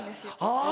あぁ！